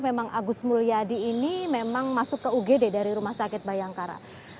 memang agus mulyadi ini memang masuk ke ugd dari rumah sakit bayangkara